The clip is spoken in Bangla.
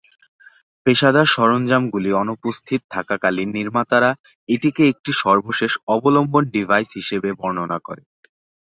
পেশাদার সরঞ্জামগুলি অনুপস্থিত থাকাকালীন নির্মাতারা এটিকে একটি সর্বশেষ অবলম্বন ডিভাইস হিসাবে বর্ণনা করে।